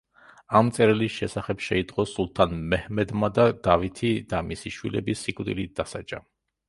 ამ წერილის შესახებ შეიტყო სულთან მეჰმედმა და დავითი და მისი შვილები სიკვდილით დასაჯა.